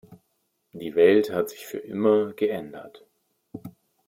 Die Welt hat sich für immer geändert.